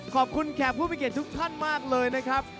ขอบคุณแขกผู้มีเกดทุกท่านมากเลยนะครับ